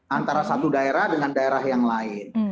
antara satu daerah dengan daerah yang lain